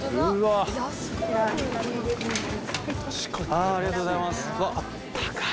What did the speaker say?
ありがとうございます。